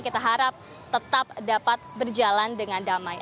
kita harap tetap dapat berjalan dengan damai